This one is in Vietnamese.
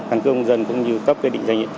cân cước công dân cũng như cấp định danh